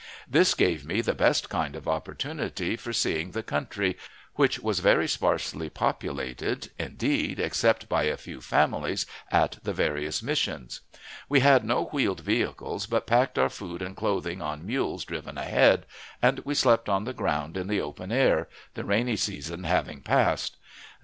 This gave me the best kind of an opportunity for seeing the country, which was very sparsely populated indeed, except by a few families at the various Missions. We had no wheeled vehicles, but packed our food and clothing on mules driven ahead, and we slept on the ground in the open air, the rainy season having passed.